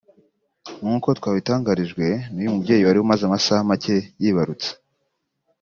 nk'uko twabitangarijwe n'uyu mubyeyi wari umaze amasaha make yibarutse